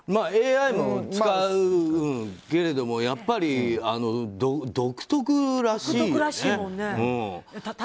ＡＩも使うけれども、やっぱり独特らしいよね。